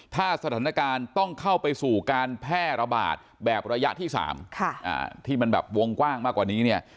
ถ้าสถานการณ์ต้องเข้าไปสู่การแพร่ระบาดแบบระยะที่๓ที่มันแบบวงกว้างมากกว่านี้เนี่ย